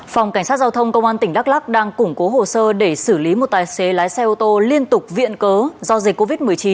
phòng cảnh sát giao thông công an tỉnh đắk lắc đang củng cố hồ sơ để xử lý một tài xế lái xe ô tô liên tục viện cớ do dịch covid một mươi chín